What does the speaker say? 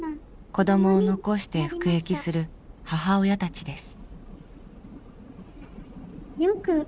子どもを残して服役する母親たちです。